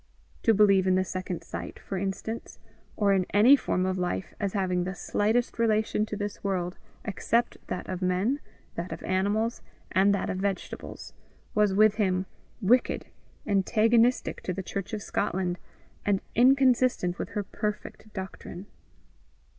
To believe in the second sight, for instance, or in any form of life as having the slightest relation to this world, except that of men, that of animals, and that of vegetables, was with him wicked, antagonistic to the Church of Scotland, and inconsistent with her perfect doctrine.